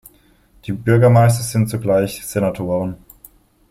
Die Bürgermeister sind zugleich Senatoren.